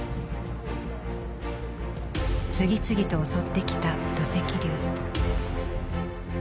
次々と襲ってきた土石流。